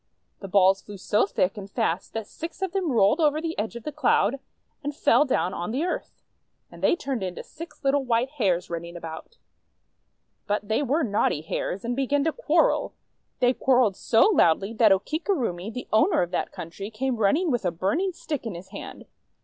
The balls flew so thick and fast that six of them rolled over the edge of the Cloud, and fell down on the earth. And they turned into six little white Hares running about. 302 THE WONDER GARDEN But they were naughty Hares, and began to quarrel. They quarrelled so loudly that Okiku rumi, the owner of that country, came running with a burning stick in his hand.